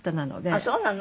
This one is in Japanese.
ああそうなの？